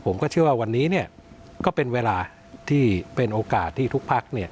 ผมก็เชื่อว่าวันนี้เนี่ยเป็นโอกาสที่ทุกภาค